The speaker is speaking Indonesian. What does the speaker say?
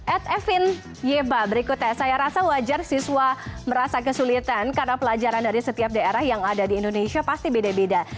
at evin yeba berikutnya saya rasa wajar siswa merasa kesulitan karena pelajaran dari setiap daerah yang ada di indonesia pasti beda beda